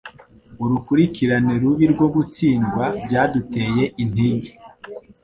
Urukurikirane rubi rwo gutsindwa byaduteye intege.